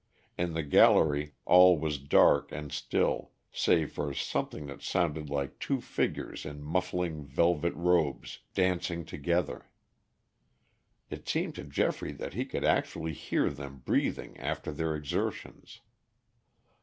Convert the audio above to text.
In the gallery all was dark and still, save for something that sounded like two figures in muffling velvet robes dancing together. It seemed to Geoffrey that he could actually hear them breathing after their exertions.